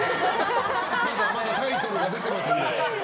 まだタイトルが出てますんで。